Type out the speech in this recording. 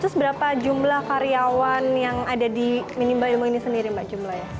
terus berapa jumlah karyawan yang ada di minimba ilmu ini sendiri mbak jumlahnya